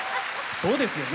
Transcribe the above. そうですよね！